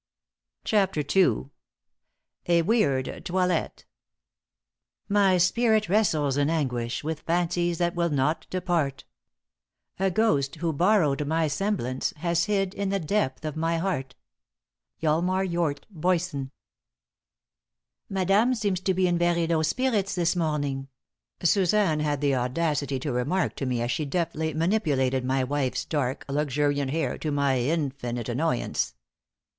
*CHAPTER II.* *A WEIRD TOILETTE.* My spirit wrestles in anguish With fancies that will not depart; A ghost who borrowed my semblance Has hid in the depth of my heart. Hjalmar Hjorth Boyesen. "Madame seems to be in very low spirits this morning," Suzanne had the audacity to remark to me as she deftly manipulated my wife's dark, luxuriant hair, to my infinite annoyance.